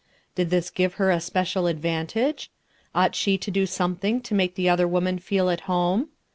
Did this give her a special advantage? Ought she to do something to make the other woman feel at home?